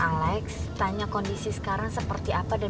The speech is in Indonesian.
mendingan telfon mama aja deh